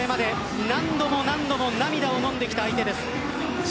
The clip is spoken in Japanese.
これまで何度も何度も涙をのんできた相手です。